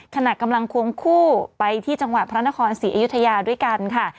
ขณะกำลังควงคู่ไปที่จังหวัดพระนครศรีอยุธยาด้วยกันค่ะ